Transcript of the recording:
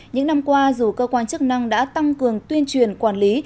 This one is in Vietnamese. những năm qua dù cơ quan chức năng đã tăng cường tuyên truyền quản lý